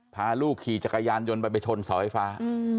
พาลูกขี่จักรยานยนต์ไปไปชนเสาไฟฟ้า